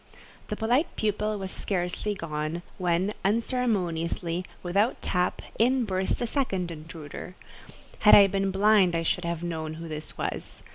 The polite pupil was scarcely gone, when, unceremoniously, without tap, in burst a second intruder. Had I been blind I should have known who this was.